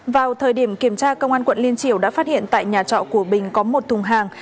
vào thời điểm kiểm tra công an quận liên triều đã phát hiện tại nhà trọ của bình có một thùng hàng